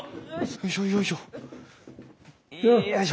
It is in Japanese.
よいしょよいしょ。